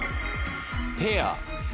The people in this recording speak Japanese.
「スペア」。